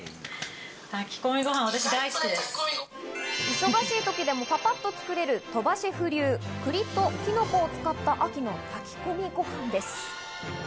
忙しい時でもパパっと作れる鳥羽シェフ流、栗とキノコを使った秋の炊き込みご飯です。